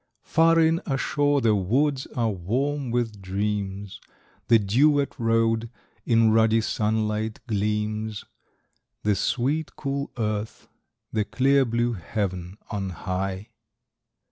Far in ashore the woods are warm with dreams, The dew wet road in ruddy sunlight gleams, The sweet, cool earth, the clear blue heaven on high.